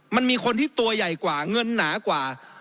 มันมีคนที่ตัวใหญ่กว่าเงินหนากว่า